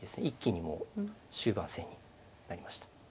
一気にもう終盤戦になりました。